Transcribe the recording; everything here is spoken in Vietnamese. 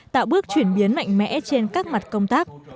tạo bước chuyển biến mạnh mẽ trên các mặt công tác